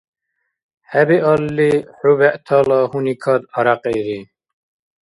ХӀебиалли, хӀу бегӀтала гьуникад арякьири?